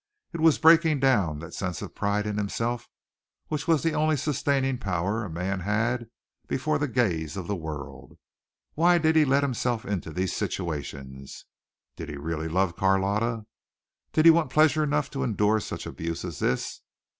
It was breaking down that sense of pride in himself which was the only sustaining power a man had before the gaze of the world. Why did he let himself into these situations? Did he really love Carlotta? Did he want pleasure enough to endure such abuse as this?